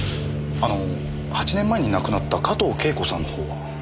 あの８年前に亡くなった加藤恵子さんの方は？